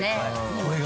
これが！？